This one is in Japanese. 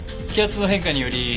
気圧の変化により。